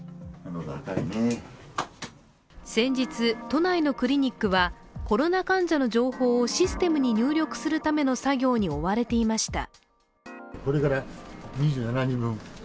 先日、都内のクリニックはコロナ患者の情報をシステムに入力するための作業に追われていました。